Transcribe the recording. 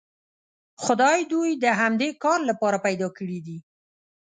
خدای دوی د همدې کار لپاره پیدا کړي دي.